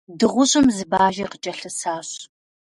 Дыгъужьым зы Бажи къыкӀэлъысащ.